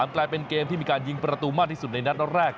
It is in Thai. กลายเป็นเกมที่มีการยิงประตูมากที่สุดในนัดแรก